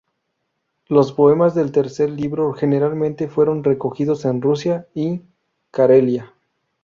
Los poemas del tercer libro generalmente fueron recogidos en Rusia y Carelia.